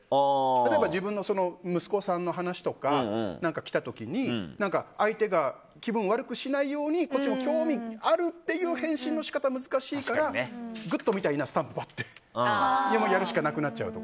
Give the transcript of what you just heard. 例えば自分の息子さんの話とか来た時に相手が気分悪くしないようにこっちも興味があるっていう返信のし方が難しいからグッド！みたいなスタンプ貼ってやるしかないみたいなね。